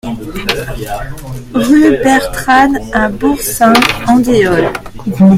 Rue Bertranne à Bourg-Saint-Andéol